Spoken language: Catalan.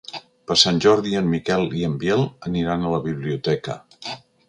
Per Sant Jordi en Miquel i en Biel aniran a la biblioteca.